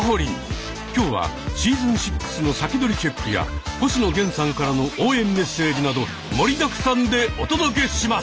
今日はシーズン６の先取りチェックや星野源さんからの応援メッセージなど盛りだくさんでお届けします！